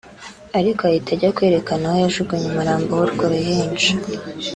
ariko ahita ajya kwerekana aho yajugunye umurambo w’urwo ruhinja